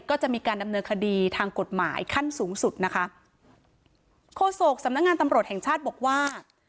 ก็จะมีการดำเนินคดีทางกฎหมายขั้นสูงสุดนะคะโฆษกสำนักงานตำรวจแห่งชาติบอกว่า